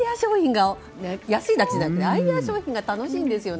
安いだけじゃなくてアイデア商品が楽しいんですよね。